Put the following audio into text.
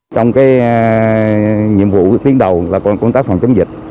trong nhiệm vụ tiến đầu là công tác phòng chống dịch